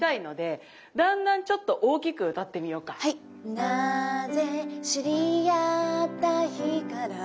「何故知りあった日から」